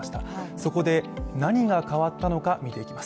そこで、何が変わったのか見ていきます。